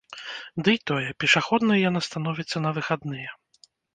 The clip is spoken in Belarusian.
Дый тое, пешаходнай яна становіцца на выхадныя.